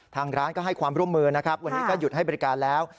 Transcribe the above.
ทางร้านก็ให้ความร่วมมือนะครับวันนี้ก็หยุดให้บริการแล้ว